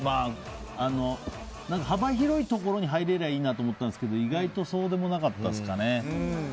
幅広いところに入れたらいいなと思ったんですけど意外とそうでもなかったですかね。